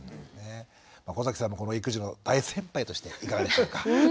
小崎さんも育児の大先輩としていかがでしょうか？